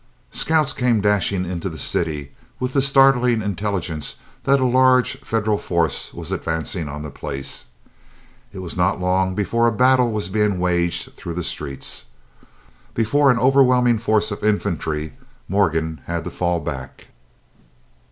Scouts came dashing into the city with the startling intelligence that a large Federal force was advancing on the place. It was not long before a battle was being waged through the streets. Before an overwhelming force of infantry Morgan had to fall back.